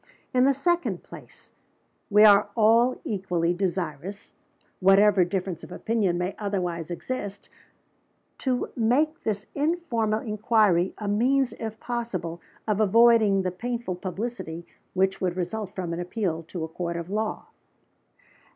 In the second place, we are all equally desirous whatever difference of opinion may otherwise exist to make this informal inquiry a means, if possible, of avoiding the painful publicity which would result from an appeal to a Court of Law."